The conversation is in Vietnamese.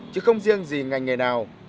chứ không riêng gì ngành nghề nào